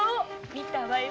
見たわよ